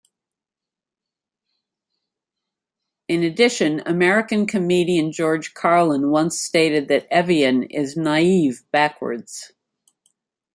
In addition, American comedian George Carlin once stated that Evian is spelled "Naive" backwards.